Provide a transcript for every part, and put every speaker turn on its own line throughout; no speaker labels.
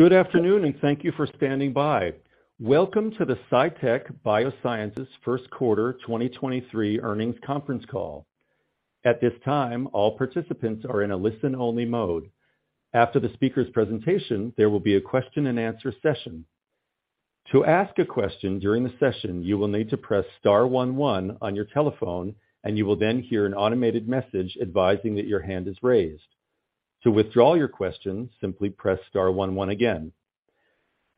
Good afternoon. Thank you for standing by. Welcome to the Cytek Biosciences first quarter 2023 earnings conference call. At this time, all participants are in a listen-only mode. After the speaker's presentation, there will be a question-and-answer session. To ask a question during the session, you will need to press star one one on your telephone. You will then hear an automated message advising that your hand is raised. To withdraw your question, simply press star one one again.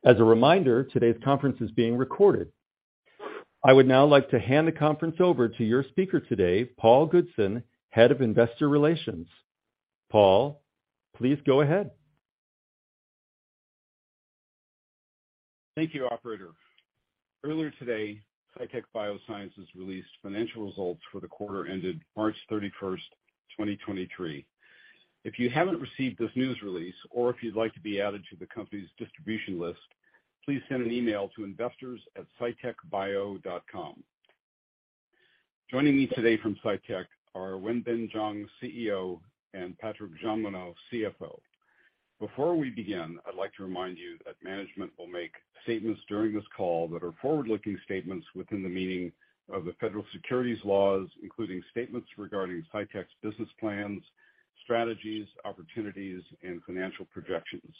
As a reminder, today's conference is being recorded. I would now like to hand the conference over to your speaker today, Paul Goodson, Head of Investor Relations. Paul, please go ahead.
Thank you operator. Earlier today, Cytek Biosciences released financial results for the quarter ended March 31st, 2023. If you haven't received this news release or if you'd like to be added to the company's distribution list, please send an email to investors@cytekbio.com. Joining me today from Cytek are Wenbin Jiang, CEO, and Patrik Jeanmonod, CFO. Before we begin, I'd like to remind you that management will make statements during this call that are forward-looking statements within the meaning of the federal securities laws, including statements regarding Cytek's business plans, strategies, opportunities, and financial projections.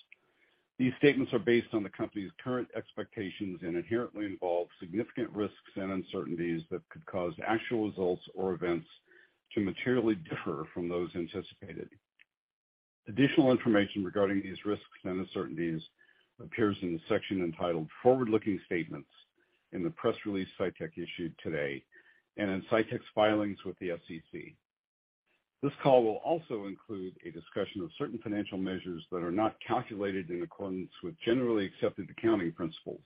These statements are based on the company's current expectations and inherently involved significant risks and uncertainties that could cause actual results or events to materially differ from those anticipated. Additional information regarding these risks and uncertainties appears in the section entitled Forward-Looking Statements in the press release Cytek issued today and in Cytek's filings with the SEC. This call will also include a discussion of certain financial measures that are not calculated in accordance with generally accepted accounting principles.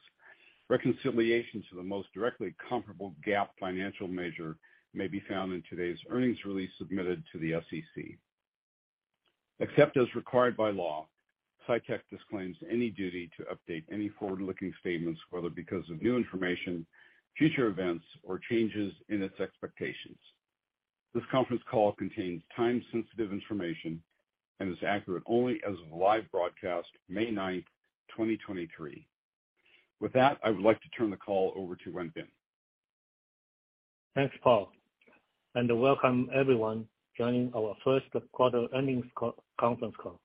Reconciliation to the most directly comparable GAAP financial measure may be found in today's earnings release submitted to the SEC. Except as required by law, Cytek disclaims any duty to update any forward-looking statements, whether because of new information, future events, or changes in its expectations. This conference call contains time-sensitive information and is accurate only as of the live broadcast, May 9, 2023. With that, I would like to turn the call over to Wenbin.
Thanks, Paul. Welcome everyone joining our first quarter earnings conference call.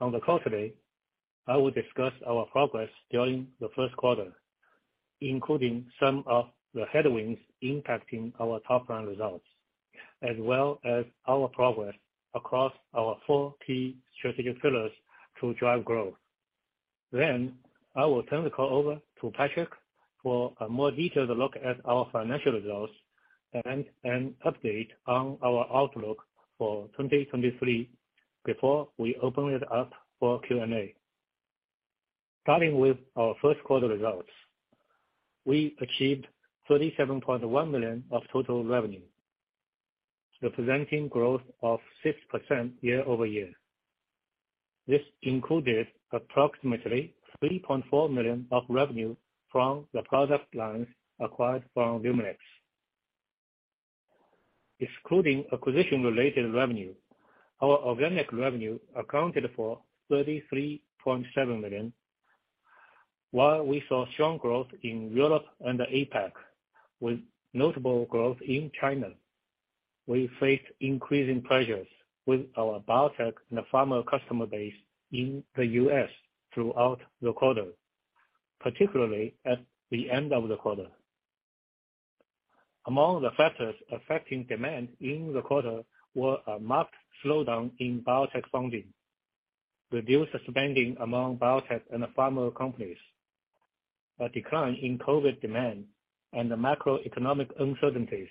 On the call today, I will discuss our progress during the first quarter, including some of the headwinds impacting our top-line results, as well as our progress across our four key strategic pillars to drive growth. I will turn the call over to Patrik for a more detailed look at our financial results and an update on our outlook for 2023 before we open it up for Q&A. Starting with our first quarter results, we achieved $37.1 million of total revenue, representing growth of 6% year-over-year. This included approximately $3.4 million of revenue from the product lines acquired from Luminex. Excluding acquisition-related revenue, our organic revenue accounted for $33.7 million. While we saw strong growth in Europe and APAC, with notable growth in China, we faced increasing pressures with our biotech and pharma customer base in the U.S. throughout the quarter, particularly at the end of the quarter. Among the factors affecting demand in the quarter were a marked slowdown in biotech funding, reduced spending among biotech and pharma companies, a decline in COVID demand, and the macroeconomic uncertainties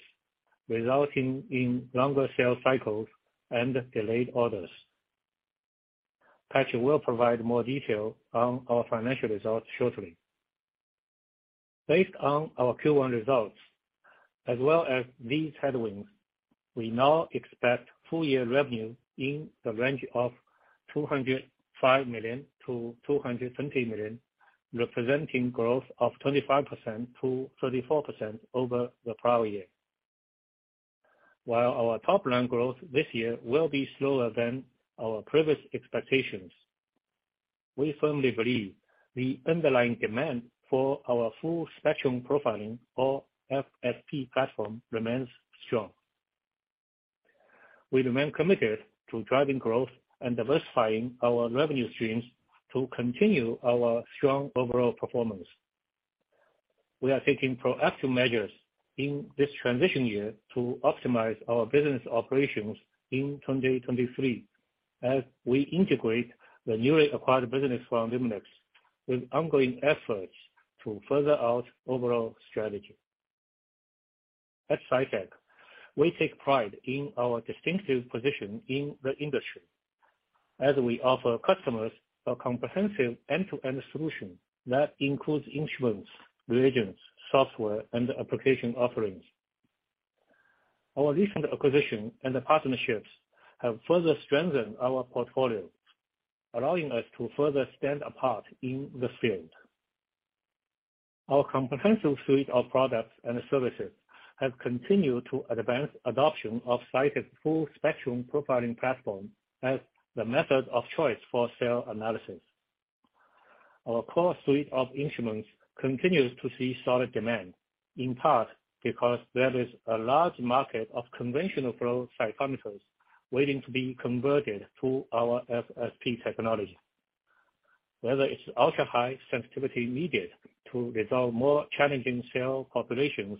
resulting in longer sales cycles and delayed orders. Patrik will provide more detail on our financial results shortly. Based on our Q1 results, as well as these headwinds, we now expect full year revenue in the range of $205 million-$220 million, representing growth of 25%-34% over the prior year. While our top-line growth this year will be slower than our previous expectations, we firmly believe the underlying demand for our Full Spectrum Profiling or FSP platform remains strong. We remain committed to driving growth and diversifying our revenue streams to continue our strong overall performance. We are taking proactive measures in this transition year to optimize our business operations in 2023 as we integrate the newly acquired business from Luminex with ongoing efforts to further our overall strategy. At Cytek, we take pride in our distinctive position in the industry as we offer customers a comprehensive end-to-end solution that includes instruments, reagents, software, and application offerings. Our recent acquisition and partnerships have further strengthened our portfolio, allowing us to further stand apart in this field. Our comprehensive suite of products and services have continued to advance adoption of Cytek's Full Spectrum Profiling platform as the method of choice for cell analysis. Our core suite of instruments continues to see solid demand, in part because there is a large market of conventional flow cytometers waiting to be converted to our FSP technology. Whether it's ultra-high sensitivity needed to resolve more challenging cell populations,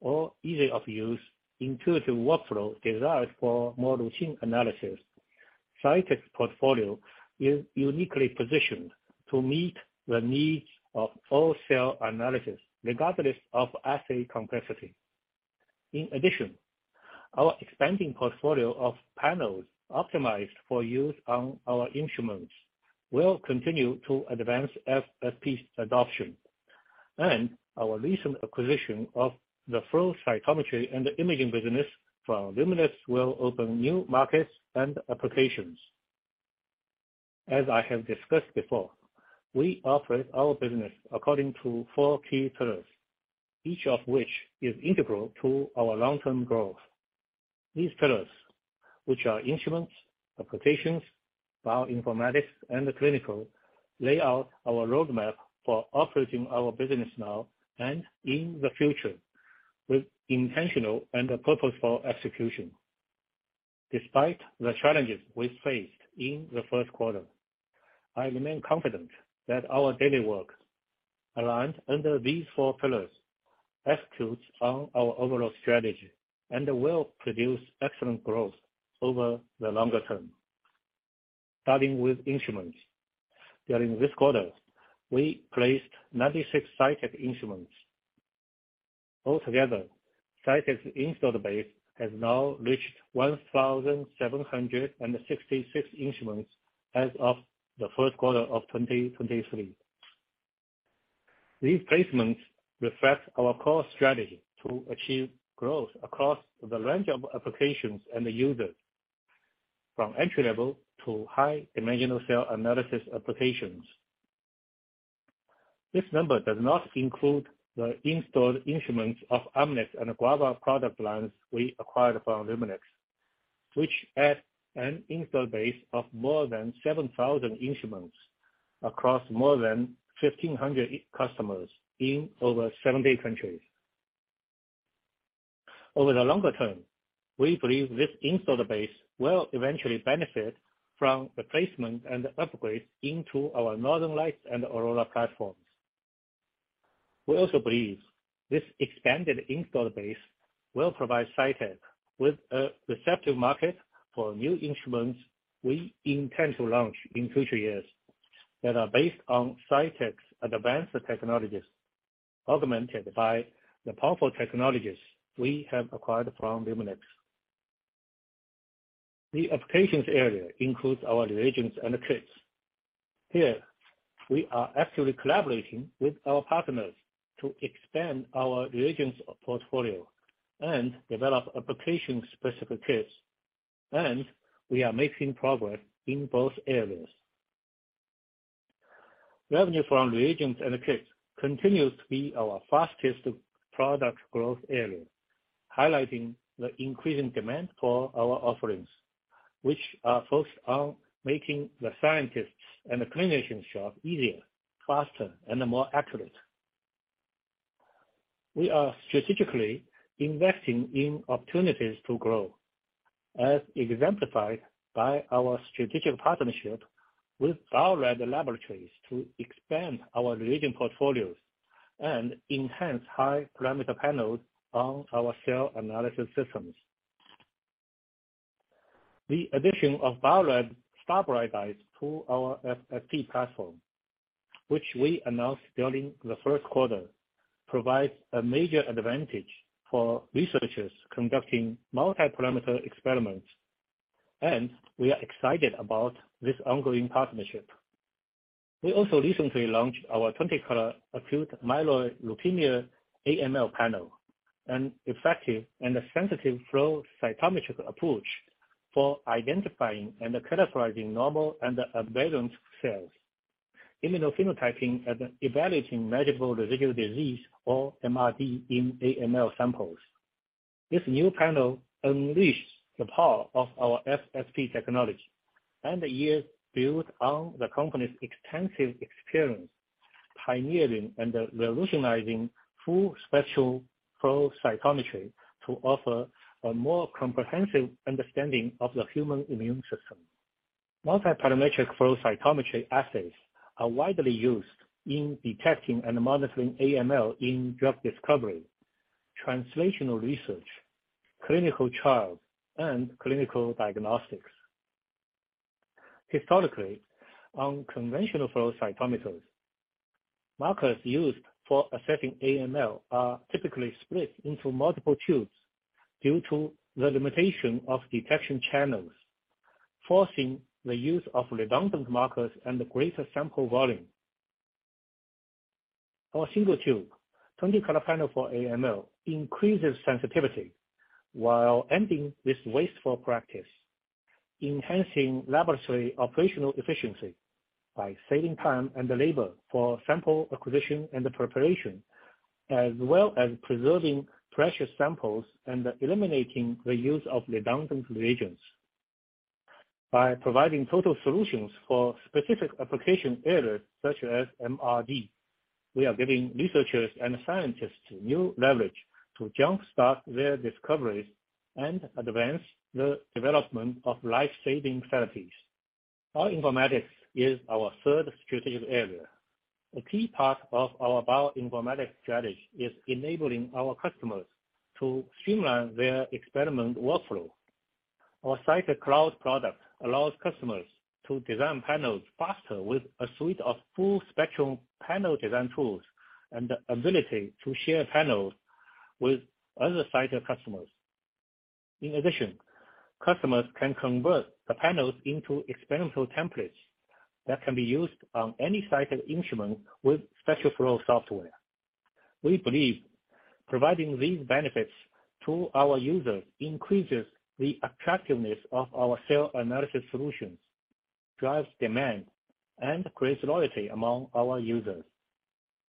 or ease of use, intuitive workflow desired for more routine analysis, Cytek's portfolio is uniquely positioned to meet the needs of all cell analysis, regardless of assay complexity. In addition, our expanding portfolio of panels optimized for use on our instruments will continue to advance FSP's adoption. Our recent acquisition of the flow cytometry and the imaging business from Luminex will open new markets and applications. As I have discussed before, we operate our business according to four key pillars, each of which is integral to our long-term growth. These pillars, which are instruments, applications, bioinformatics, and clinical, lay out our roadmap for operating our business now and in the future with intentional and purposeful execution. Despite the challenges we faced in the first quarter, I remain confident that our daily work, aligned under these four pillars, executes on our overall strategy and will produce excellent growth over the longer term. Starting with instruments. During this quarter, we placed 96 Cytek instruments. Altogether, Cytek's installed base has now reached 1,766 instruments as of the first quarter of 2023. These placements reflect our core strategy to achieve growth across the range of applications and the users, from entry-level to high dimensional cell analysis applications. This number does not include the installed instruments of Amnis and Guava product lines we acquired from Luminex, which add an install base of more than 7,000 instruments across more than 1,500 customers in over 70 countries. Over the longer term, we believe this installed base will eventually benefit from the placement and upgrade into our Northern Lights and Aurora platforms. We also believe this expanded installed base will provide Cytek with a receptive market for new instruments we intend to launch in future years that are based on Cytek's advanced technologies, augmented by the powerful technologies we have acquired from Luminex. The applications area includes our reagents and kits. Here, we are actively collaborating with our partners to expand our reagents portfolio and develop application-specific kits, and we are making progress in both areas. Revenue from reagents and kits continues to be our fastest product growth area, highlighting the increasing demand for our offerings, which are focused on making the scientists' and the clinicians' job easier, faster, and more accurate. We are strategically investing in opportunities to grow, as exemplified by our strategic partnership with Bio-Rad Laboratories to expand our reagent portfolios and enhance high parameter panels on our cell analysis systems. The addition of Bio-Rad StarBright Dyes to our FSP platform, which we announced during the first quarter, provides a major advantage for researchers conducting multiparameter experiments, and we are excited about this ongoing partnership. We also recently launched our 20-color acute myeloid leukemia AML panel, an effective and a sensitive flow cytometric approach for identifying and categorizing normal and aberrant cells, immunophenotyping, and evaluating measurable residual disease, or MRD, in AML samples. This new panel unleashed the power of our FSP technology, and it is built on the company's extensive experience pioneering and revolutionizing full spectrum flow cytometry to offer a more comprehensive understanding of the human immune system. Multiparametric flow cytometry assays are widely used in detecting and monitoring AML in drug discovery, translational research, clinical trials, and clinical diagnostics. Historically, on conventional flow cytometers, markers used for assessing AML are typically split into multiple tubes due to the limitation of detection channels, forcing the use of redundant markers and greater sample volume. Our single tube 20-color panel for AML increases sensitivity while ending this wasteful practice. Enhancing laboratory operational efficiency by saving time and the labor for sample acquisition and the preparation, as well as preserving precious samples and eliminating the use of redundant reagents. By providing total solutions for specific application areas such as MRD, we are giving researchers and scientists new leverage to jump-start their discoveries and advance the development of life-saving therapies. Bioinformatics is our third strategic area. A key part of our bioinformatics strategy is enabling our customers to streamline their experiment workflow. Our Cytek Cloud product allows customers to design panels faster with a suite of full spectrum panel design tools and the ability to share panels with other Cytek customers. In addition, customers can convert the panels into experimental templates that can be used on any Cytek instrument with special flow software. We believe providing these benefits to our users increases the attractiveness of our cell analysis solutions, drives demand, and creates loyalty among our users.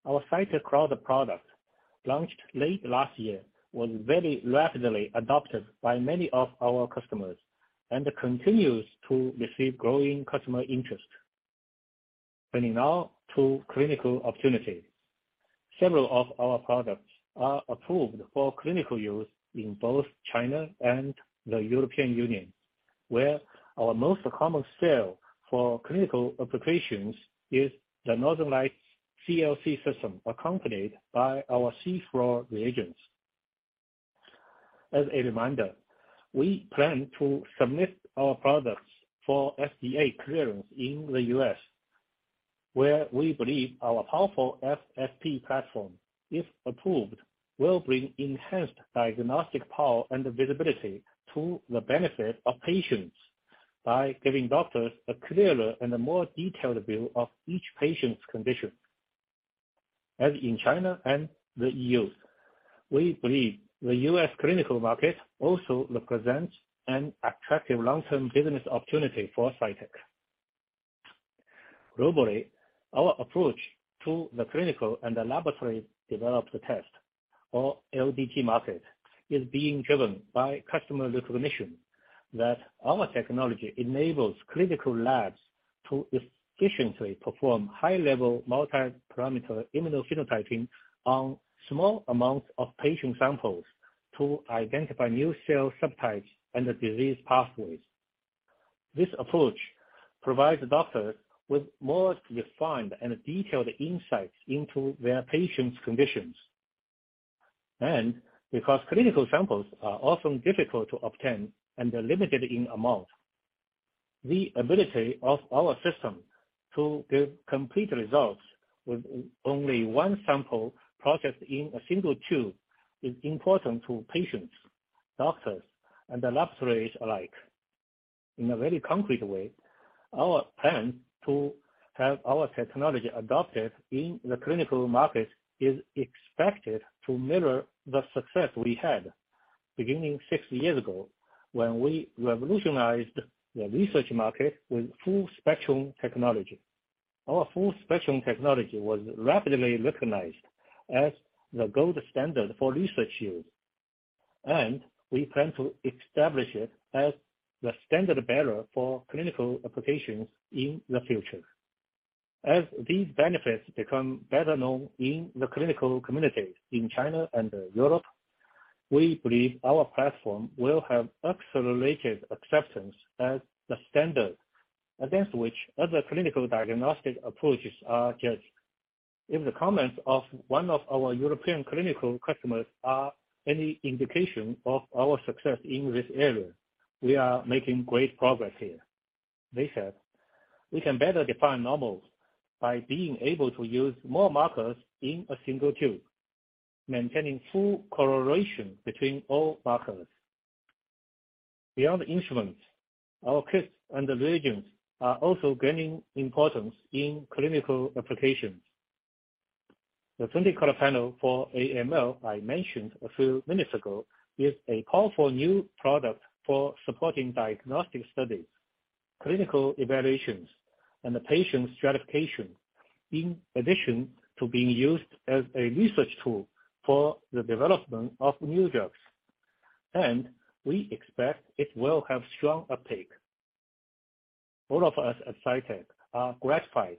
Our Cytek Cloud product, launched late last year, was very rapidly adopted by many of our customers, and continues to receive growing customer interest. Turning now to clinical opportunities. Several of our products are approved for clinical use in both China and the European Union, where our most common sale for clinical applications is the Northern Lights-CLC system, accompanied by our cFluor reagents. As a reminder, we plan to submit our products for FDA clearance in the U.S., where we believe our powerful FSP platform, if approved, will bring enhanced diagnostic power and visibility to the benefit of patients by giving doctors a clearer and more detailed view of each patient's condition. As in China and the EU, we believe the U.S. clinical market also represents an attractive long-term business opportunity for Cytek. Globally, our approach to the clinical and the laboratory developed test or LDT market, is being driven by customer recognition that our technology enables clinical labs to efficiently perform high-level multi-parameter immunophenotyping on small amounts of patient samples to identify new cell subtypes and the disease pathways. This approach provides the doctor with more refined and detailed insights into their patients' conditions. Because clinical samples are often difficult to obtain and are limited in amount, the ability of our system to give complete results with only one sample processed in a single tube, is important to patients, doctors, and the laboratories alike. In a very concrete way, our plan to have our technology adopted in the clinical market is expected to mirror the success we had beginning 60 years ago when we revolutionized the research market with full spectrum technology. Our full spectrum technology was rapidly recognized as the gold standard for research use. We plan to establish it as the standard bearer for clinical applications in the future. As these benefits become better known in the clinical communities in China and Europe, we believe our platform will have accelerated acceptance as the standard against which other clinical diagnostic approaches are judged. If the comments of one of our European clinical customers are any indication of our success in this area, we are making great progress here. They said, "We can better define normals by being able to use more markers in a single tube, maintaining full correlation between all markers." Beyond the instruments, our kits and the reagents are also gaining importance in clinical applications. The 20-color panel for AML I mentioned a few minutes ago, is a powerful new product for supporting diagnostic studies, clinical evaluations, and the patient stratification, in addition to being used as a research tool for the development of new drugs. We expect it will have strong uptake. All of us at Cytek are gratified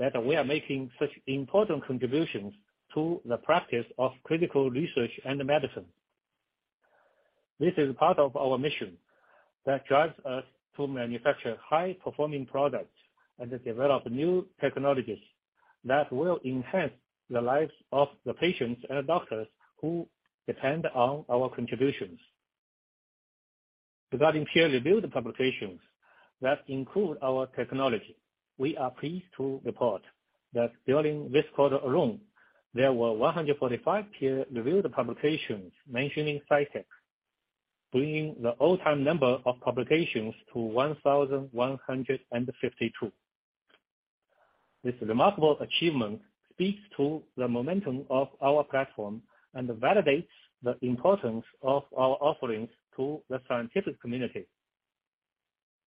that we are making such important contributions to the practice of clinical research and medicine. This is part of our mission that drives us to manufacture high-performing products and to develop new technologies that will enhance the lives of the patients and doctors who depend on our contributions. Regarding peer-reviewed publications that include our technology, we are pleased to report that during this quarter alone, there were 145 peer-reviewed publications mentioning Cytek, bringing the all-time number of publications to 1,152. This remarkable achievement speaks to the momentum of our platform and validates the importance of our offerings to the scientific community.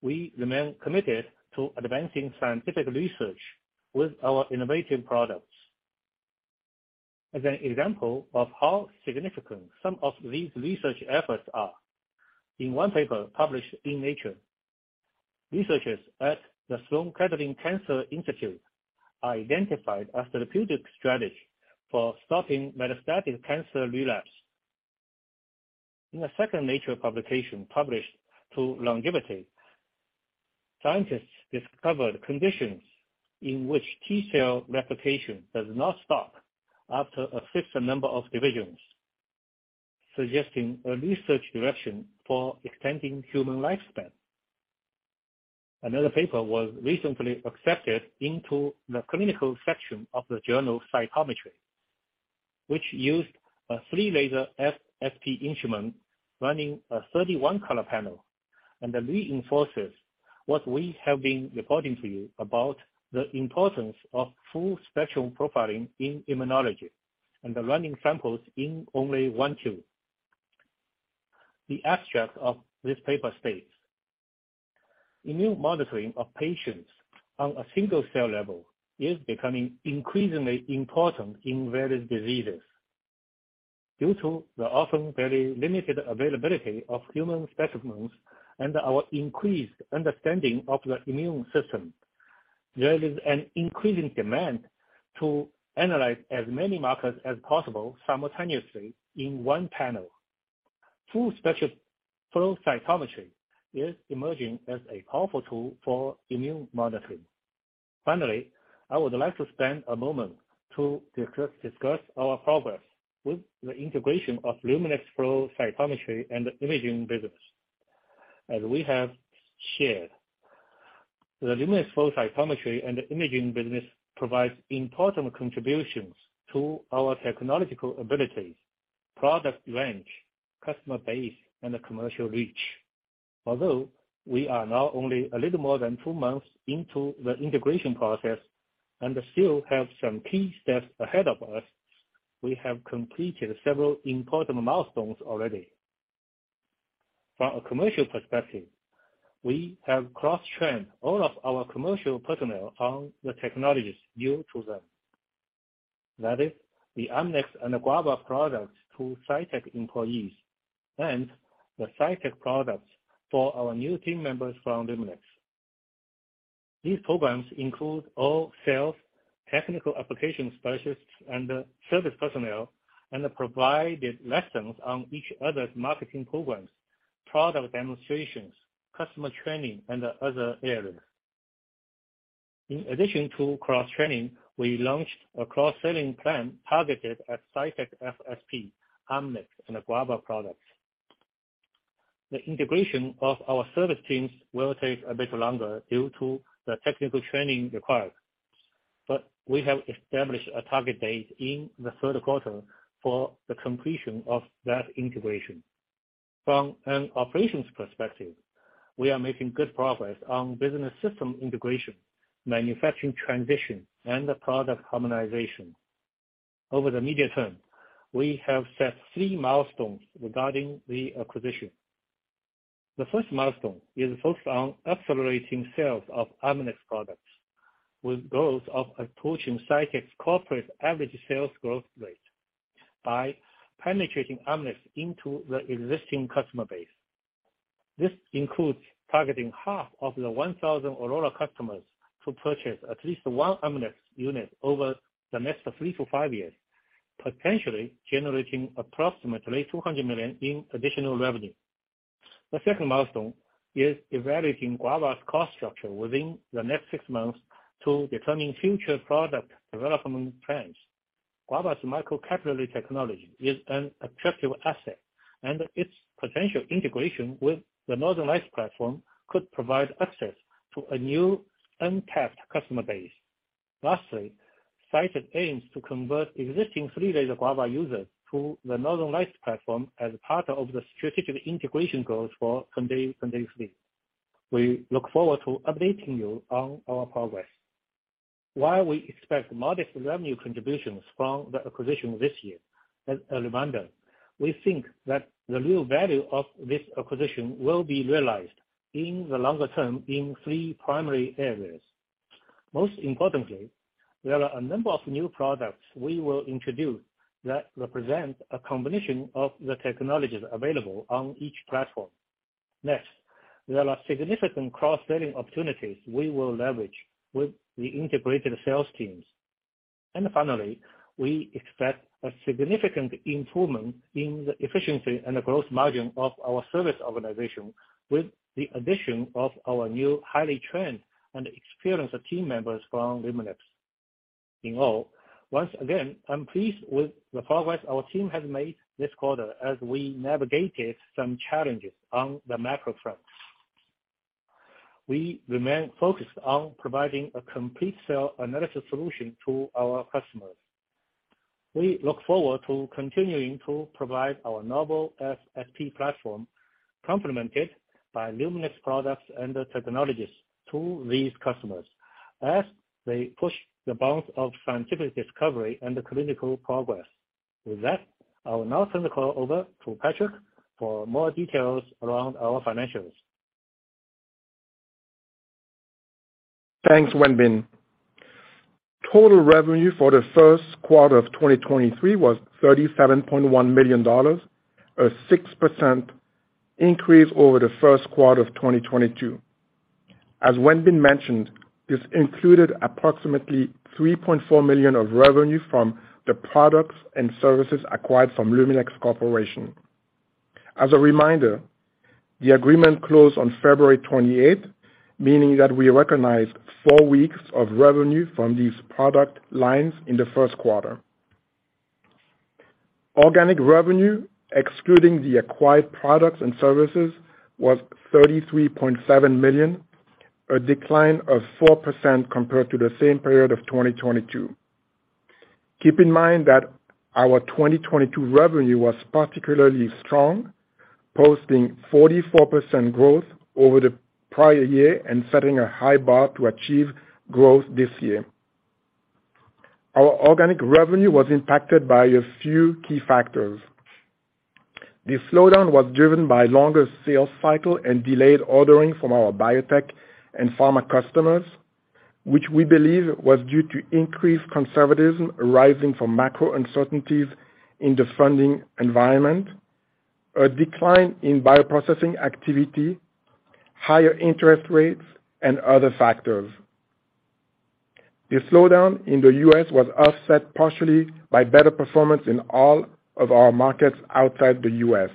We remain committed to advancing scientific research with our innovative products. As an example of how significant some of these research efforts are, in one paper published in Nature, researchers at the Sloan Kettering Cancer Institute identified a therapeutic strategy for stopping metastatic cancer relapse. In the second Nature publication published to longevity, scientists discovered conditions in which T cell replication does not stop after a fixed number of divisions, suggesting a research direction for extending human lifespan. Another paper was recently accepted into the clinical section of the journal Cytometry, which used a three-laser FSP instrument running a 31-color panel, and it reinforces what we have been reporting to you about the importance of Full Spectrum Profiling in immunology and the running samples in only one tube. The abstract of this paper states, "Immune monitoring of patients on a single-cell level is becoming increasingly important in various diseases. Due to the often very limited availability of human specimens and our increased understanding of the immune system, there is an increasing demand to analyze as many markers as possible simultaneously in one panel. full specturm flow cytometry is emerging as a powerful tool for immune monitoring." Finally, I would like to spend a moment to discuss our progress with the integration of Luminex flow cytometry and the imaging business. As we have shared, the Luminex flow cytometry and the imaging business provides important contributions to our technological abilities, product range, customer base and commercial reach. Although we are now only a little more than two months into the integration process and still have some key steps ahead of us, we have completed several important milestones already. From a commercial perspective, we have cross-trained all of our commercial personnel on the technologies new to them. That is the Amnis and the Guava products to Cytek employees and the Cytek products for our new team members from Luminex. These programs include all sales, technical application specialists and service personnel, and provided lessons on each other's marketing programs, product demonstrations, customer training and other areas. In addition to cross-training, we launched a cross-selling plan targeted at Cytek FSP, Amnis, and Guava products. The integration of our service teams will take a bit longer due to the technical training required, but we have established a target date in the third quarter for the completion of that integration. From an operations perspective, we are making good progress on business system integration, manufacturing transition, and the product harmonization. Over the medium term, we have set three milestones regarding the acquisition. The first milestone is focused on accelerating sales of Amnis products with growth of approaching Cytek's corporate average sales growth rate by penetrating Amnis into the existing customer base. This includes targeting half of the 1,000 Aurora customers to purchase at least one Amnis unit over the next three-five years, potentially generating approximately $200 million in additional revenue. The second milestone is evaluating Guava's cost structure within the next six months to determine future product development plans. Guava's microcapillary technology is an attractive asset, its potential integration with the Northern Lights platform could provide access to a new untapped customer base. Lastly, Cytek aims to convert existing three-laser Guava users to the Northern Lights platform as part of the strategic integration goals for [Sunday] three. We look forward to updating you on our progress. While we expect modest revenue contributions from the acquisition this year, as a reminder, we think that the real value of this acquisition will be realized in the longer term in three primary areas. Most importantly, there are a number of new products we will introduce that represent a combination of the technologies available on each platform. Next, there are significant cross-selling opportunities we will leverage with the integrated sales teams. Finally, we expect a significant improvement in the efficiency and the growth margin of our service organization with the addition of our new highly trained and experienced team members from Luminex. In all, once again, I'm pleased with the progress our team has made this quarter as we navigated some challenges on the macro front. We remain focused on providing a complete cell analysis solution to our customers. We look forward to continuing to provide our novel FSP platform, complemented by Luminex products and the technologies to these customers as they push the bounds of scientific discovery and the clinical progress. With that, I will now turn the call over to Patrik for more details around our financials.
Thanks, Wenbin. Total revenue for the first quarter of 2023 was $37.1 million, a 6% increase over the first quarter of 2022. As Wenbin mentioned, this included approximately $3.4 million of revenue from the products and services acquired from Luminex Corp. As a reminder, the agreement closed on February 28th, meaning that we recognized four weeks of revenue from these product lines in the first quarter. Organic revenue, excluding the acquired products and services, was $33.7 million, a decline of 4% compared to the same period of 2022. Keep in mind that our 2022 revenue was particularly strong, posting 44% growth over the prior year and setting a high bar to achieve growth this year. Our organic revenue was impacted by a few key factors. The slowdown was driven by longer sales cycle and delayed ordering from our biotech and pharma customers, which we believe was due to increased conservatism arising from macro uncertainties in the funding environment, a decline in bioprocessing activity, higher interest rates, and other factors. The slowdown in the U.S. was offset partially by better performance in all of our markets outside the U.S.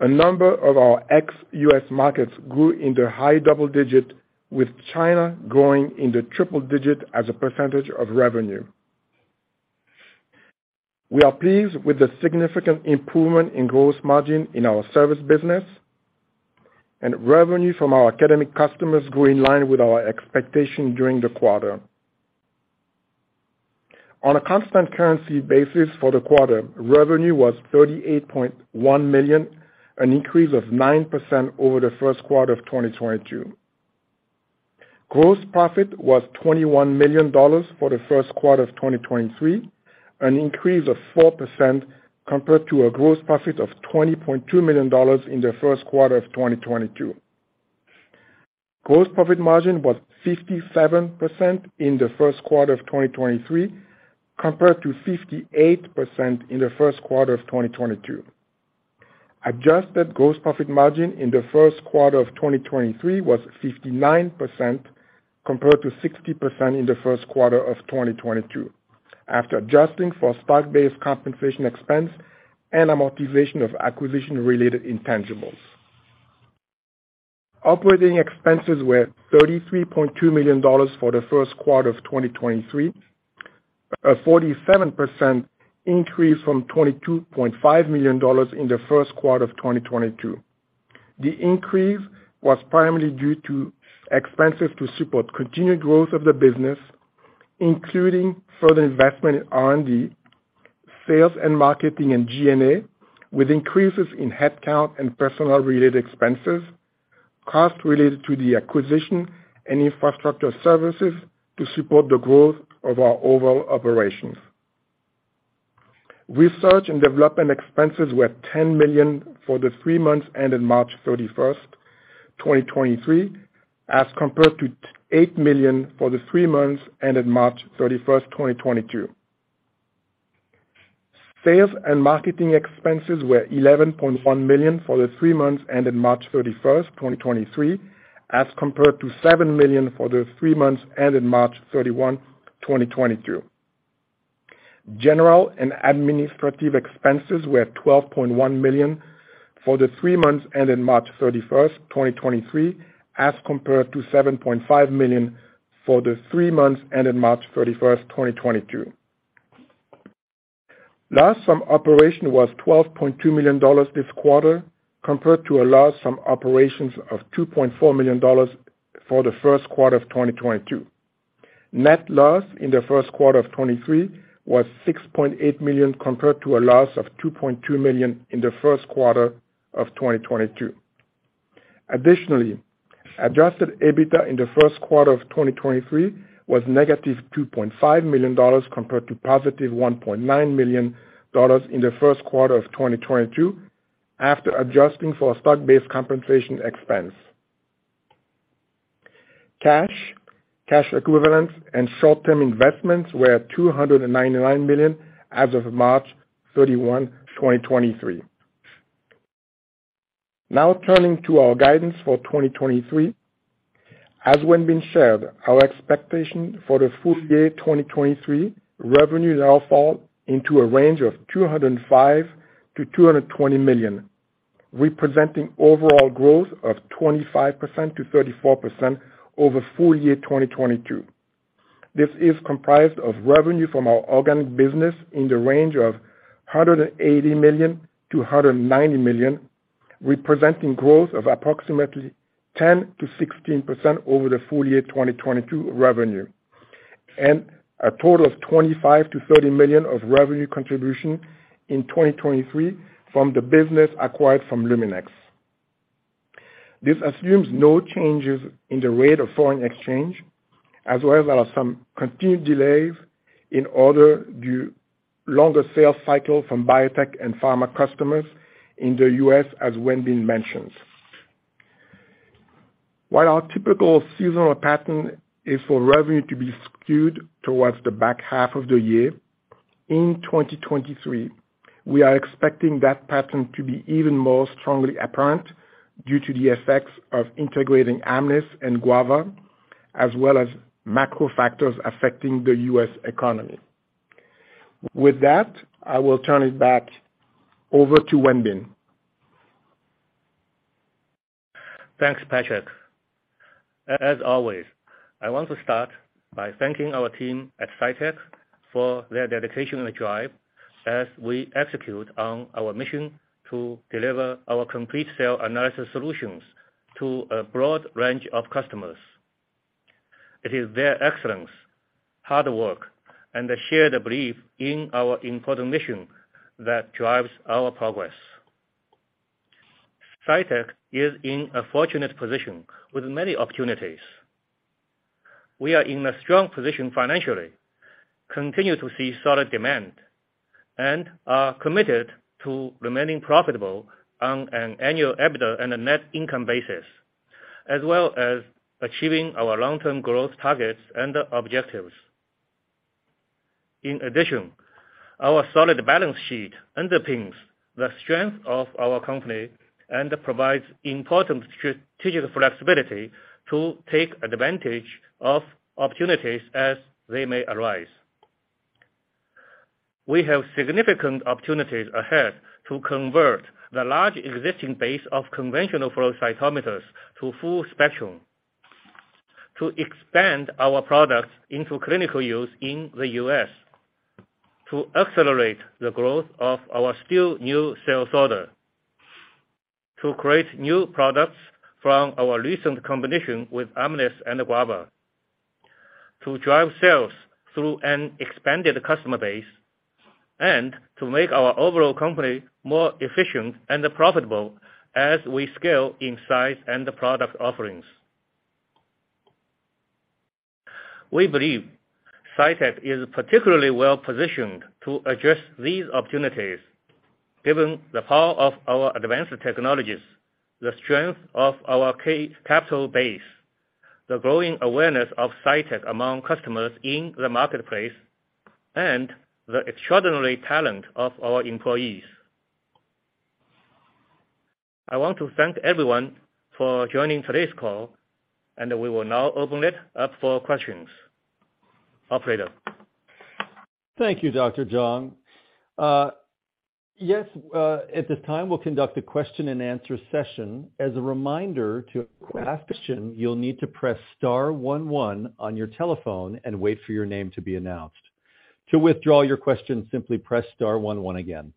A number of our ex-U.S. markets grew in the high double digit, with China growing in the triple digit as a percentage of revenue. We are pleased with the significant improvement in gross margin in our service business. Revenue from our academic customers grew in line with our expectation during the quarter. On a constant currency basis for the quarter, revenue was $38.1 million, an increase of 9% over the first quarter of 2022. Gross profit was $21 million for the first quarter of 2023, an increase of 4% compared to a gross profit of $20.2 million in the first quarter of 2022. Gross profit margin was 57% in the first quarter of 2023, compared to 58% in the first quarter of 2022. Adjusted gross profit margin in the first quarter of 2023 was 59% compared to 60% in the first quarter of 2022. After adjusting for stock-based compensation expense and amortization of acquisition-related intangibles. Operating expenses were $33.2 million for the first quarter of 2023, a 47% increase from $22.5 million in the first quarter of 2022. The increase was primarily due to expenses to support continued growth of the business, including further investment in R&D, sales and marketing and G&A, with increases in headcount and personnel-related expenses, costs related to the acquisition and infrastructure services to support the growth of our overall operations. Research and development expenses were $10 million for the three months ended March 31st, 2023, as compared to $8 million for the three months ended March 31st, 2022. Sales and marketing expenses were $11.1 million for the three months ended March 31st, 2023, as compared to $7 million for the three months ended March 31st, 2022. General and administrative expenses were $12.1 million for the three months ended March 31st, 2023, as compared to $7.5 million for the three months ended March 31st, 2022. Some operation was $12.2 million this quarter, compared to a loss from operations of $2.4 million for the first quarter of 2022. Net loss in the first quarter of 2023 was $6.8 million, compared to a loss of $2.2 million in the first quarter of 2022. Adjusted EBITDA in the first quarter of 2023 was -$2.5 million, compared to +$1.9 million in the first quarter of 2022 after adjusting for stock-based compensation expense. Cash, cash equivalents and short-term investments were at $299 million as of March 31, 2023. Turning to our guidance for 2023. As Wenbin shared, our expectation for the full year 2023 revenues now fall into a range of $205 million-$220 million, representing overall growth of 25%-34% over full year 2022. This is comprised of revenue from our organic business in the range of $180 million-$190 million. Representing growth of approximately 10%-16% over the full year 2022 revenue, and a total of $25 million-$30 million of revenue contribution in 2023 from the business acquired from Luminex. This assumes no changes in the rate of foreign exchange, as well as some continued delays in order due longer sales cycle from biotech and pharma customers in the U.S., as Wenbin mentioned. While our typical seasonal pattern is for revenue to be skewed towards the back half of the year, in 2023, we are expecting that pattern to be even more strongly apparent due to the effects of integrating Amnis and Guava, as well as macro factors affecting the U.S. economy. With that, I will turn it back over to Wenbin.
Thanks, Patrik. As always, I want to start by thanking our team at Cytek for their dedication and drive as we execute on our mission to deliver our complete cell analysis solutions to a broad range of customers. It is their excellence, hard work, and the shared belief in our important mission that drives our progress. Cytek is in a fortunate position with many opportunities. We are in a strong position financially, continue to see solid demand, and are committed to remaining profitable on an annual EBITDA and a net income basis, as well as achieving our long-term growth targets and objectives. Our solid balance sheet underpins the strength of our company and provides important strategic flexibility to take advantage of opportunities as they may arise. We have significant opportunities ahead to convert the large existing base of conventional flow cytometers to full spectrum, to expand our products into clinical use in the U.S., to accelerate the growth of our still new sales order, to create new products from our recent combination with Amnis and Guava, to drive sales through an expanded customer base, and to make our overall company more efficient and profitable as we scale in size and the product offerings. We believe Cytek is particularly well positioned to address these opportunities given the power of our advanced technologies, the strength of our capital base, the growing awareness of Cytek among customers in the marketplace, and the extraordinary talent of our employees. We will now open it up for questions. Operator.
Thank you, Dr. Jiang. Yes, at this time, we'll conduct a question-and-answer session. As a reminder, to ask question, you'll need to press star one one on your telephone and wait for your name to be announced. To withdraw your question, simply press star one one again.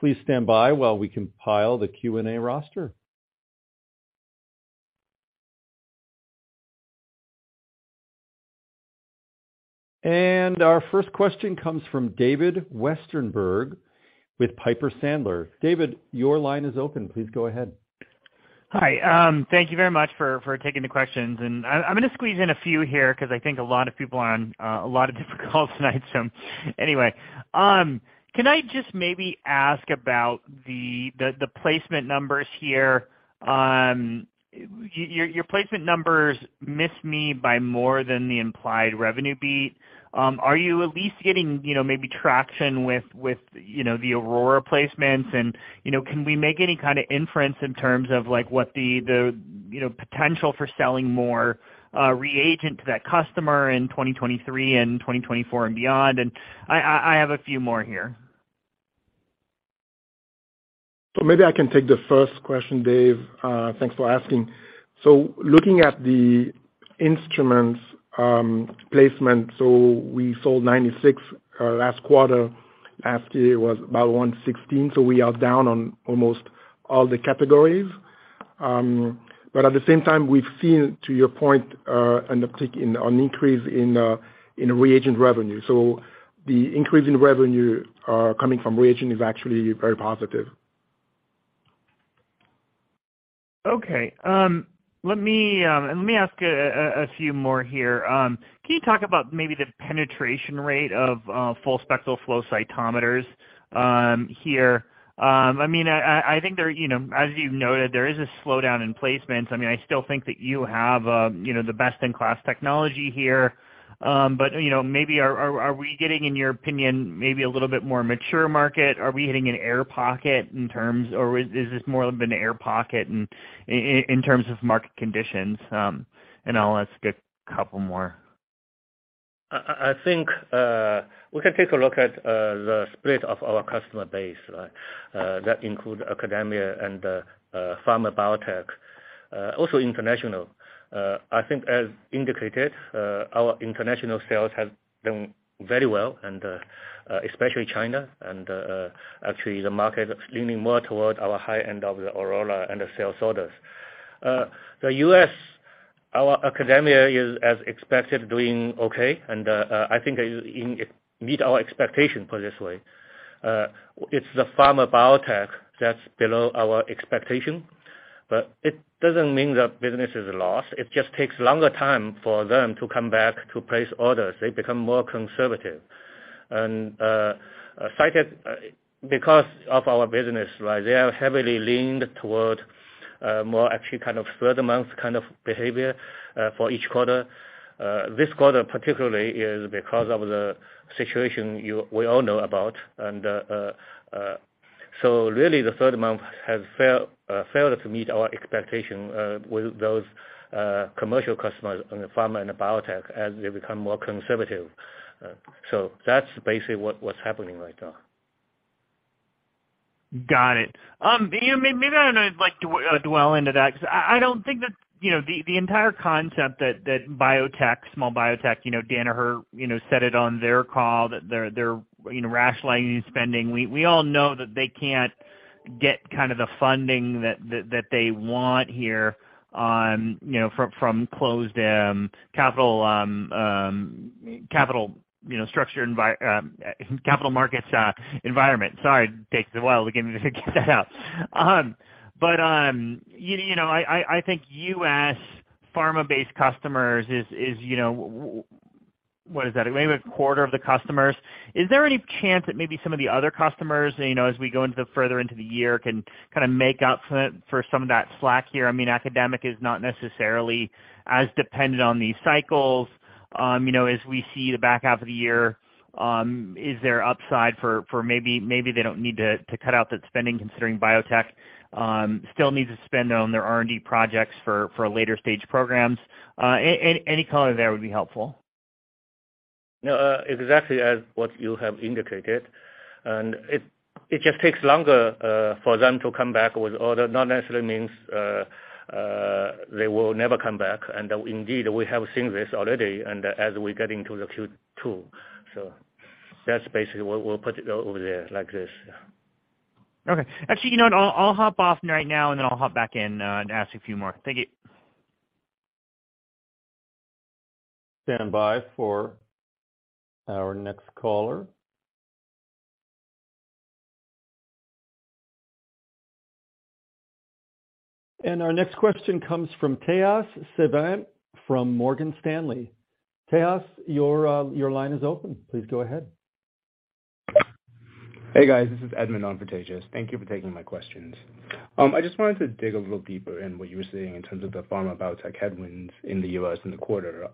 Please stand by while we compile the Q&A roster. Our first question comes from David Westenberg with Piper Sandler. David, your line is open. Please go ahead.
Hi. Thank you very much for taking the questions. I'm gonna squeeze in a few here because I think a lot of people are on a lot of different calls tonight. Anyway, can I just maybe ask about the placement numbers here? Your placement numbers miss me by more than the implied revenue beat. Are you at least getting, you know, maybe traction with, you know, the Aurora placements? You know, can we make any kind of inference in terms of like, what the, you know, potential for selling more reagent to that customer in 2023 and 2024 and beyond? I have a few more here.
Maybe I can take the first question, Dave. Thanks for asking. Looking at the instruments, placement, we sold 96 last quarter after it was about 116, so we are down on almost all the categories. But at the same time, we've seen, to your point, an increase in reagent revenue. The increase in revenue coming from reagent is actually very positive.
Okay. Let me ask a few more here. Can you talk about maybe the penetration rate of full spectrum flow cytometers here? I mean, I think there, you know, as you've noted, there is a slowdown in placements. I mean, I still think that you have, you know, the best-in-class technology here. You know, maybe are we getting, in your opinion, maybe a little bit more mature market? Are we hitting an air pocket in terms or is this more of an air pocket in terms of market conditions? I'll ask a couple more.
I think we can take a look at the split of our customer base that include academia and pharma biotech, also international. I think as indicated, our international sales have done very well, especially China, and actually the market is leaning more toward our high end of the Aurora and the sales orders. Our academia is as expected doing okay, and I think it meet our expectation, put it this way. It's the pharma biotech that's below our expectation, but it doesn't mean that business is lost. It just takes longer time for them to come back to place orders. They become more conservative. Cited, because of our business, right? They are heavily leaned toward more actually kind of third month kind of behavior for each quarter. This quarter particularly is because of the situation we all know about. So really the third month has failed to meet our expectation with those commercial customers in the pharma and the biotech as they become more conservative. So that's basically what's happening right now.
Got it. Maybe I don't know if you'd like to dwell into that because I don't think that, you know, the entire concept that biotech, small biotech, you know, Danaher, you know, said it on their call that they're, you know, rationalizing spending. We all know that they can't get kind of the funding that they want here, you know, from closed capital, you know, structure capital markets environment. Sorry, it takes a while to get that out. But, you know, I think U.S. pharma-based customers is, you know, what is that? Maybe a quarter of the customers. Is there any chance that maybe some of the other customers, you know, as we go into the further into the year, can kinda make up for some of that slack here? I mean, academic is not necessarily as dependent on these cycles. you know, as we see the back half of the year, is there upside for maybe they don't need to cut out the spending considering biotech still needs to spend on their R&D projects for later stage programs. Any color there would be helpful.
No, exactly as what you have indicated, and it just takes longer for them to come back with order. Not necessarily means they will never come back. Indeed, we have seen this already and as we get into the Q2. That's basically what we'll put it over there like this. Yeah.
Okay. Actually, you know what? I'll hop off right now, and then I'll hop back in and ask a few more. Thank you.
Standby for our next caller. Our next question comes from Tejas Savant from Morgan Stanley. Tejas, your line is open. Please go ahead.
Hey, guys, this is Edmund on for Tejas. Thank you for taking my questions. I just wanted to dig a little deeper in what you were saying in terms of the pharma biotech headwinds in the U.S. in the quarter.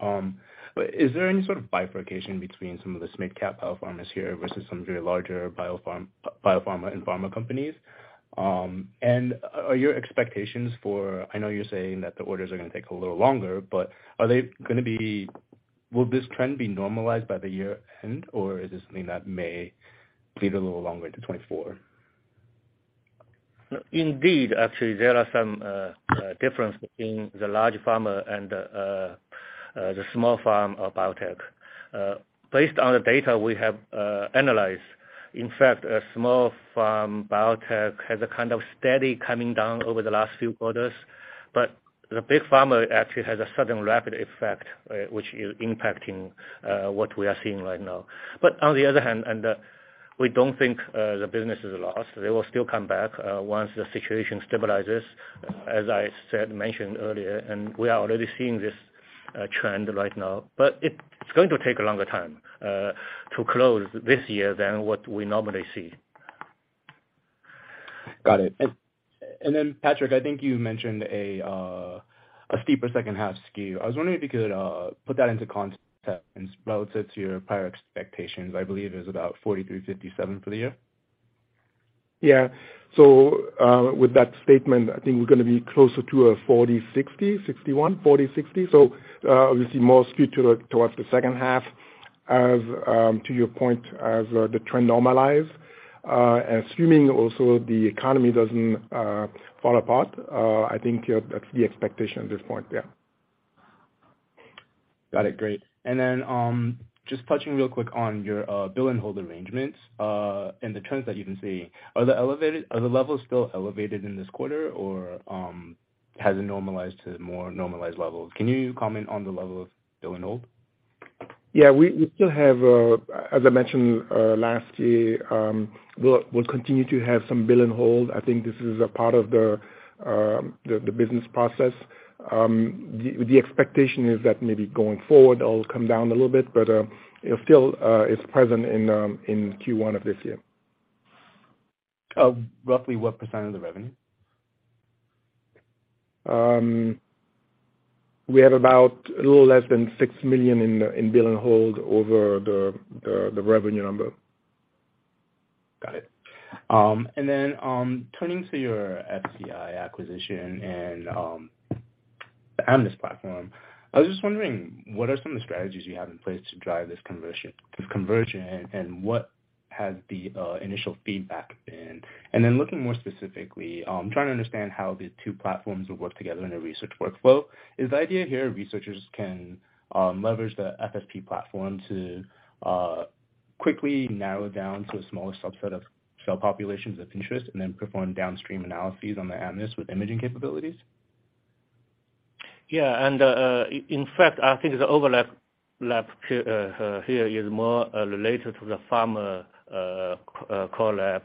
Is there any sort of bifurcation between some of the mid-cap biopharmas here versus some of your larger biopharma and pharma companies? And are your expectations for... I know you're saying that the orders are gonna take a little longer, but will this trend be normalized by the year-end, or is this something that may bleed a little longer into 2024?
Indeed, actually, there are some difference between the large pharma and the small pharm or biotech. Based on the data we have analyzed, in fact, a small pharm biotech has a kind of steady coming down over the last few quarters, but the big pharma actually has a sudden rapid effect, which is impacting what we are seeing right now. On the other hand, and we don't think the business is lost. They will still come back once the situation stabilizes, as I said, mentioned earlier, and we are already seeing this trend right now. It's going to take a longer time to close this year than what we normally see.
Got it. Then, Patrik, I think you mentioned a steeper second half SKU. I was wondering if you could put that into context relative to your prior expectations, I believe is about 43%-57% for the year.
Yeah. With that statement, I think we're gonna be closer to a 40%-60%, 61%, 40%-60%. We see more skewed towards the second half as, to your point, as the trend normalize. Assuming also the economy doesn't fall apart, I think that's the expectation at this point. Yeah.
Got it. Great. Just touching real quick on your bill and hold arrangements and the trends that you can see. Are the levels still elevated in this quarter or has it normalized to more normalized levels? Can you comment on the level of bill and hold?
Yeah. We still have, as I mentioned, last year, we'll continue to have some bill and hold. I think this is a part of the business process. The expectation is that maybe going forward, that will come down a little bit, but it still is present in Q1 of this year.
Of roughly what percent of the revenue?
We have about a little less than $6 million in bill and hold over the revenue number.
Got it. Turning to your FCI acquisition and the Amnis platform, I was just wondering what are some of the strategies you have in place to drive this conversion, and what has the initial feedback been? Looking more specifically, trying to understand how the two platforms will work together in a research workflow. Is the idea here researchers can leverage the FSP platform to quickly narrow down to a smaller subset of cell populations of interest and then perform downstream analyses on the Amnis with imaging capabilities?
Yeah. In fact, I think the overlap lab here is more related to the pharma collab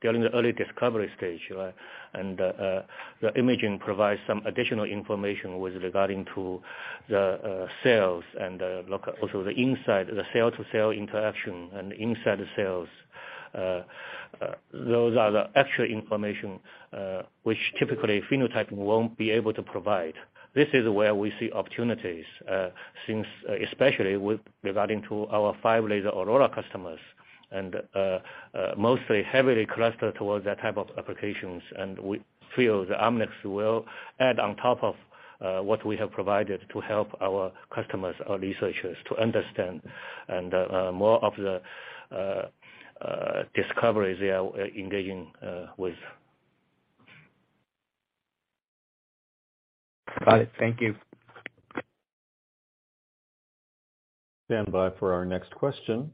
during the early discovery stage, right? The imaging provides some additional information with regarding to the cells and look also the inside, the cell to cell interaction and inside cells. Those are the extra information which typically phenotyping won't be able to provide. This is where we see opportunities since especially with regarding to our five laser Aurora customers, mostly heavily clustered towards that type of applications. We feel the Amnis will add on top of what we have provided to help our customers or researchers to understand and more of the discovery they are engaging with.
Got it. Thank you.
Stand by for our next question.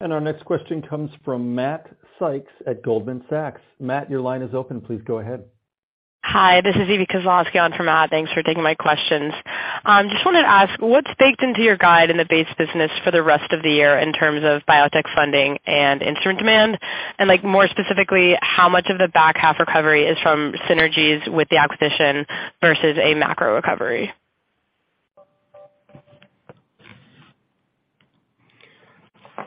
Our next question comes from Matt Sykes at Goldman Sachs. Matt, your line is open. Please go ahead.
Hi, this is Evie Kozlowski on for Matt. Thanks for taking my questions. Just wanted to ask what's baked into your guide in the base business for the rest of the year in terms of biotech funding and instrument demand? Like more specifically, how much of the back half recovery is from synergies with the acquisition versus a macro recovery?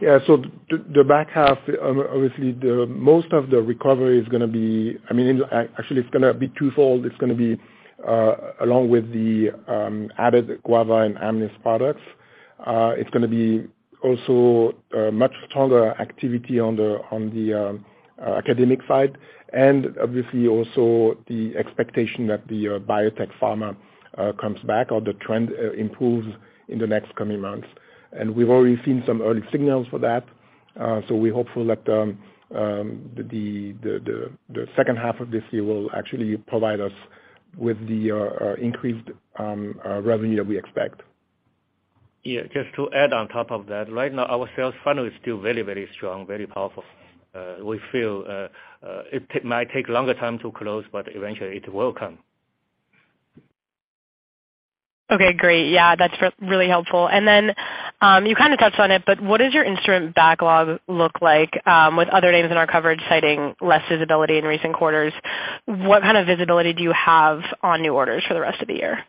Yeah. The back half, obviously the most of the recovery is gonna be, I mean, actually it's gonna be twofold. It's gonna be along with the added Guava and Amnis products. It's gonna be also much stronger activity on the academic side and obviously also the expectation that the biotech pharma comes back or the trend improves in the next coming months. We've already seen some early signals for that. We're hopeful that the second half of this year will actually provide us with the increased revenue that we expect.
Yeah, just to add on top of that. Right now, our sales funnel is still very, very strong, very powerful. We feel it might take longer time to close, eventually it will come.
Okay, great. Yeah, that's really helpful. You kind of touched on it, but what does your instrument backlog look like, with other names in our coverage citing less visibility in recent quarters? What kind of visibility do you have on new orders for the rest of the year?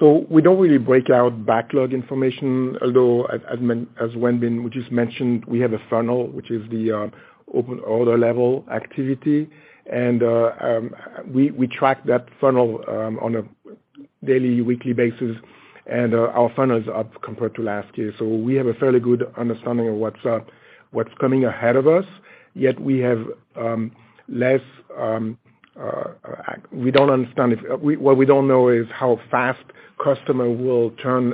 We don't really break out backlog information. Although as Wenbin just mentioned, we have a funnel, which is the open order level activity. We track that funnel on a daily, weekly basis, and our funnel is up compared to last year. We have a fairly good understanding of what's coming ahead of us, yet we have less. What we don't know is how fast customer will turn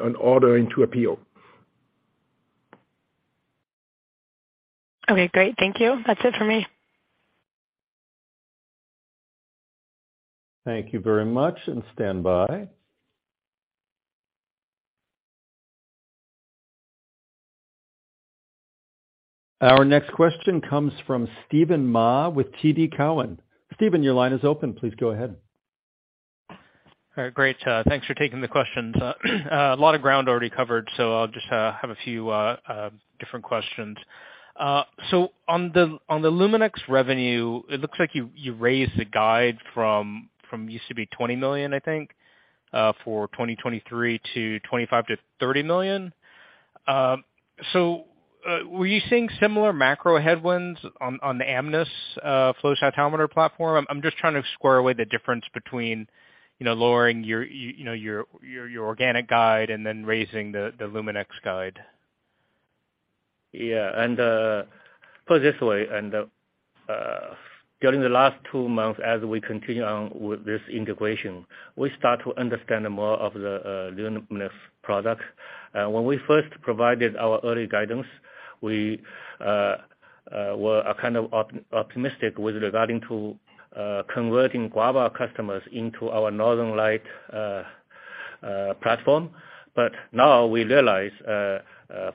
an order into a PO.
Okay, great. Thank you. That's it for me.
Thank you very much. Stand by. Our next question comes from Steven Mah with TD Cowen. Steven, your line is open. Please go ahead.
All right, great. Thanks for taking the questions. A lot of ground already covered, so I'll just have a few different questions. On the Luminex revenue, it looks like you raised the guide from used to be $20 million, I think, for 2023 to $25 million-$30 million. Were you seeing similar macro headwinds on the Amnis flow cytometer platform? I'm just trying to square away the difference between, you know, lowering your organic guide and then raising the Luminex guide.
Yeah. Put it this way, during the last two months, as we continue on with this integration, we start to understand more of the Luminex product. When we first provided our early guidance, we were kind of optimistic with regarding to converting Guava customers into our Northern Lights platform. Now we realize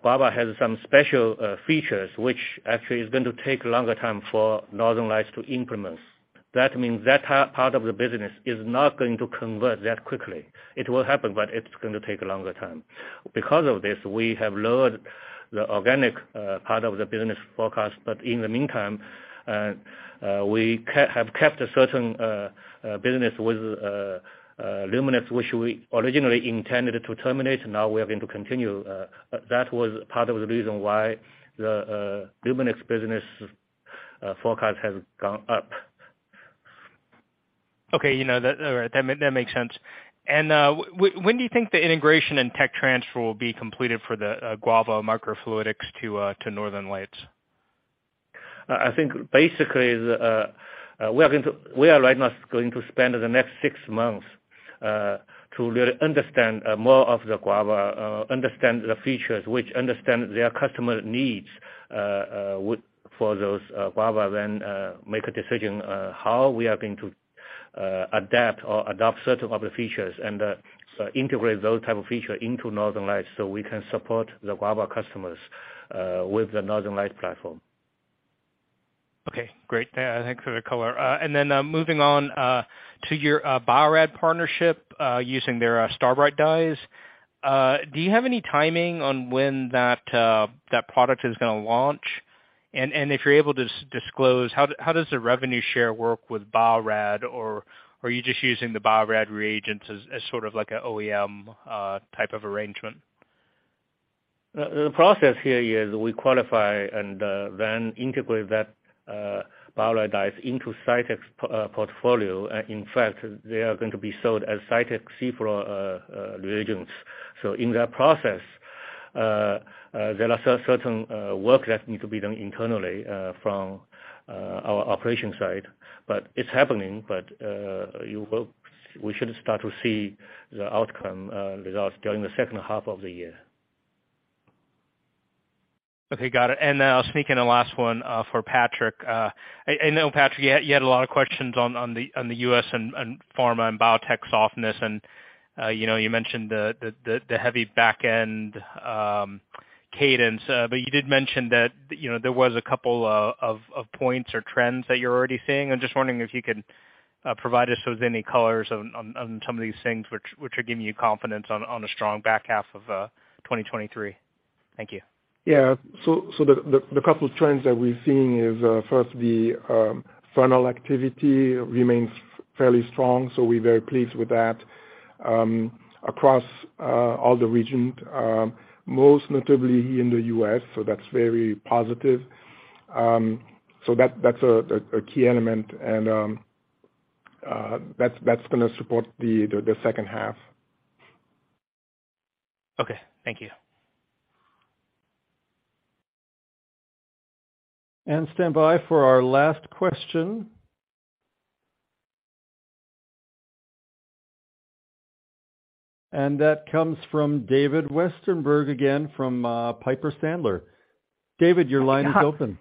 Guava has some special features which actually is going to take a longer time for Northern Lights to implement. That means that part of the business is not going to convert that quickly. It will happen, but it's gonna take a longer time. Because of this, we have lowered the organic part of the business forecast, but in the meantime, we have kept a certain business with Luminex, which we originally intended to terminate. Now we are going to continue. That was part of the reason why the Luminex business forecast has gone up.
Okay. You know, that, all right, that makes sense. When do you think the integration and tech transfer will be completed for the Guava microfluidics to Northern Lights?
I think basically the, We are right now going to spend the next six months, to really understand more of the Guava, understand the features which understand their customer needs, for those, Guava then, make a decision how we are going to adapt or adopt certain of the features and so integrate those type of feature into Northern Lights so we can support the Guava customers with the Northern Lights platform.
Okay, great. Yeah, thanks for the color. Then, moving on, to your Bio-Rad partnership, using their StarBright Dyes. Do you have any timing on when that product is gonna launch? If you're able to disclose, how does the revenue share work with Bio-Rad or are you just using the Bio-Rad reagents as sort of like an OEM type of arrangement?
The process here is we qualify and then integrate that Bio-Rad dyes into Cytek's portfolio. In fact, they are going to be sold as Cytek cFluor reagents. In that process, there are certain work that needs to be done internally from our operations side, but it's happening, but We should start to see the outcome results during the second half of the year.
Okay, got it. I'll sneak in the last one for Patrik. I know, Patrik, you had a lot of questions on the, on the U.S. and pharma and biotech softness and, you know, you mentioned the heavy back-end cadence. You did mention that, you know, there was a couple of points or trends that you're already seeing. I'm just wondering if you could provide us with any colors on some of these things which are giving you confidence on a strong back half of 2023. Thank you.
Yeah. The couple trends that we're seeing is, first, the funnel activity remains fairly strong, so we're very pleased with that, across all the regions, most notably in the U.S., so that's very positive. That's a key element and, that's gonna support the second half.
Okay, thank you.
Stand by for our last question. That comes from David Westenberg again from Piper Sandler. David, your line is open.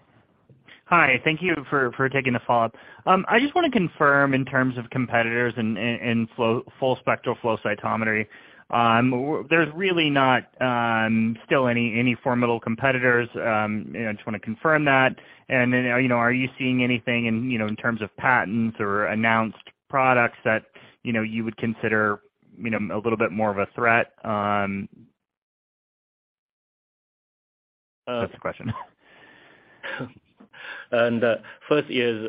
Hi. Thank you for taking the follow-up. I just wanna confirm in terms of competitors in full spectrum flow cytometry. there's really not still any formidable competitors. you know, I just wanna confirm that. you know, are you seeing anything in, you know, in terms of patents or announced products that, you know, you would consider, you know, a little bit more of a threat?
Uh.
That's the question.
First is,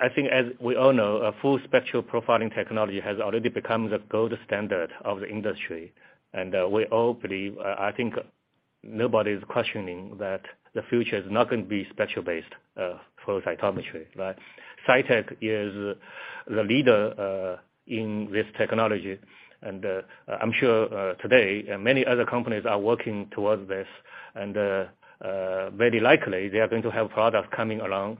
I think as we all know, a full spectral profiling technology has already become the gold standard of the industry. We all believe, I think nobody's questioning that the future is not gonna be spectral-based flow cytometry, right? Cytek is the leader in this technology, and I'm sure today many other companies are working towards this and very likely they are going to have products coming along.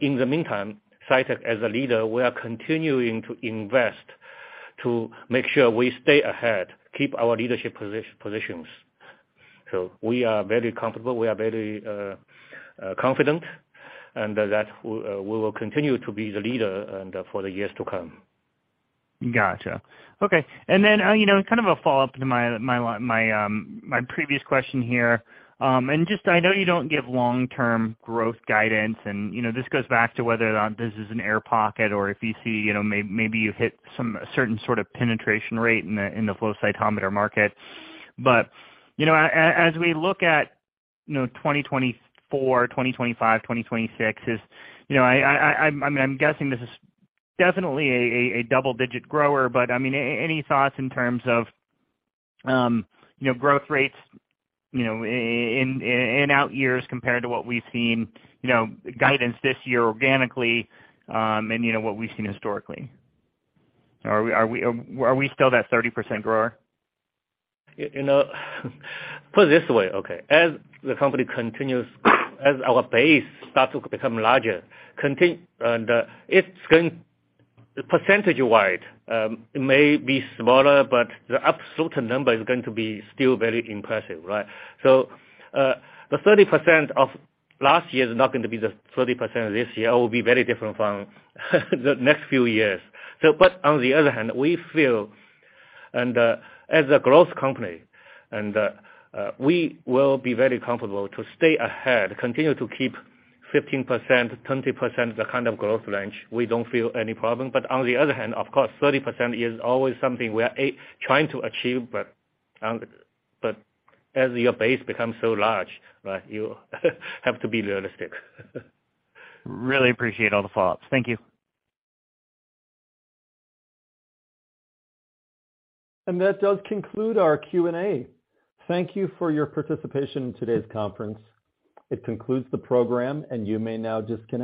In the meantime, Cytek as a leader, we are continuing to invest to make sure we stay ahead, keep our leadership positions. We are very comfortable. We are very confident, and that we will continue to be the leader for the years to come.
Gotcha. Okay. You know, kind of a follow-up to my previous question here. Just I know you don't give long-term growth guidance and, you know, this goes back to whether or not this is an air pocket or if you see, you know, maybe you hit some certain sort of penetration rate in the, in the flow cytometer market. You know, as we look at, you know, 2024, 2025, 2026 is, you know, I mean, I'm guessing this is definitely a double-digit grower, but, I mean, any thoughts in terms of, you know, growth rates, you know, in out years compared to what we've seen, you know, guidance this year organically, and you know, what we've seen historically? Are we still that 30% grower?
You know, put this way, okay? As the company continues, as our base starts to become larger, it's going percentage-wide, it may be smaller, but the absolute number is going to be still very impressive, right? The 30% of last year is not going to be the 30% of this year. It will be very different from the next few years. On the other hand, we feel as a growth company we will be very comfortable to stay ahead, continue to keep 15%-20%, the kind of growth range. We don't feel any problem. On the other hand, of course, 30% is always something we are trying to achieve, as your base becomes so large, right? You have to be realistic.
Really appreciate all the follow-ups. Thank you.
That does conclude our Q&A. Thank you for your participation in today's conference. It concludes the program, and you may now disconnect.